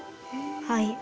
はい。